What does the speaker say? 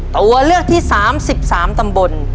ตัวเลือกที่๓๑๓ตำบล